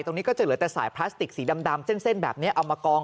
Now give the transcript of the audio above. ก็จะเหลือแต่สายพลาสติกสีดำเส้นแบบนี้เอามากอง